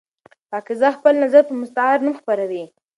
پاکیزه خپل نظر په مستعار نوم خپروي.